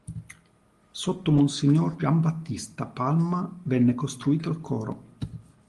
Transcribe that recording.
Sotto monsignor Giambattista Palma venne costruito il coro.